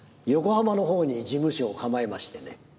横浜のほうに事務所を構えましてね。